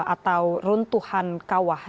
atau runtuhan kawah